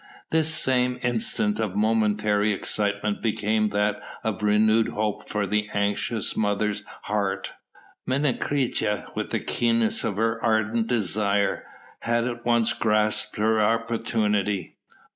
This same instant of momentary excitement became that of renewed hope for an anxious mother's heart. Menecreta, with the keenness of her ardent desire, had at once grasped her opportunity.